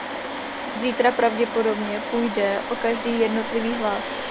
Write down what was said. Zítra pravděpodobně půjde o každý jednotlivý hlas.